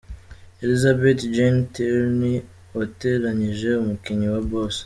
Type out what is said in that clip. Elizabeth-Jayne Tierney wateranyije umukinnyi na boss.